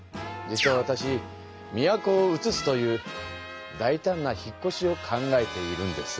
実はわたし都を移すという大たんな引っこしを考えているんです。